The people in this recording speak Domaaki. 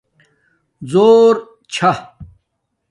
زُݸر چھا